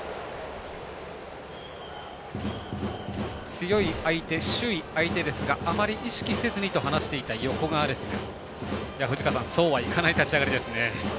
強い相手、首位相手ですがあまり意識せずにと話していた横川ですが藤川さん、そうはいかない立ち上がりですね。